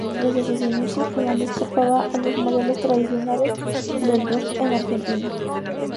Desde sus inicios, la banda escapaba a los modelos tradicionales del rock en Argentina.